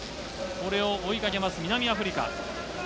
これを追いかけます、南アフリカ。